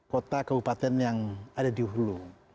kota kabupaten yang ada di hulu